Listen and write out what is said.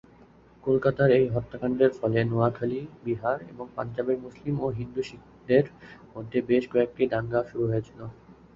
কলকাতার এই হত্যাকাণ্ডের ফলে নোয়াখালী, বিহার এবং পাঞ্জাবের মুসলিম ও হিন্দু-শিখদের মধ্যে বেশ কয়েকটি দাঙ্গা শুরু হয়েছিল।